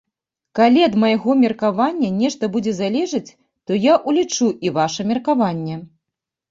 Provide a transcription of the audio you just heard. Калі ад майго меркавання нешта будзе залежыць, то я ўлічу і ваша меркаванне.